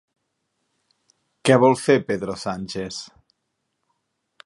Què vol fer Pedro Sánchez?